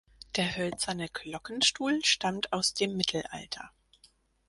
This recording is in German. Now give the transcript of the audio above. Der hölzerne Glockenstuhl stammt aus dem Mittelalter.